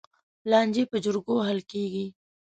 لانجې په جرګو حل کېږي.